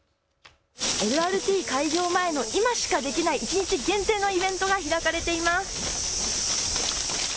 ＬＲＴ開業前の今しかできない一日限定のイベントが開かれています。